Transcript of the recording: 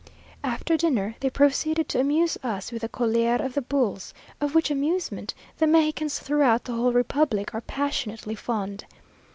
After dinner they proceeded to amuse us with the colear of the bulls, of which amusement the Mexicans throughout the whole republic are passionately fond.